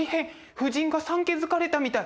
夫人が産気づかれたみたい。